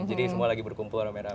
jadi semua lagi berkumpul rame rame